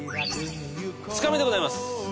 ２日目でございます。